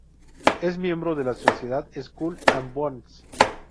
Es miembro de la sociedad Skull and Bones.